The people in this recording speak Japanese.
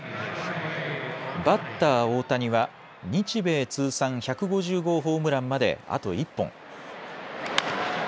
バッター、大谷は日米通算１５０号ホームランまであと１本。